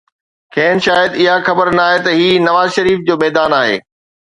کين شايد اها خبر ناهي ته هي نواز شريف جو ميدان آهي.